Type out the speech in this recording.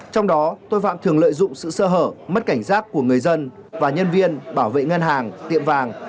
trong đó tội phạm thường lợi dụng sự sơ hở mất cảnh giác của người dân và nhân viên bảo vệ ngân hàng tiệm vàng